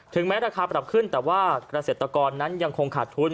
ถึงแม้ราคาปรับขึ้นแต่ว่ากระเศรษฐกรนั้นยังคงขาดทุน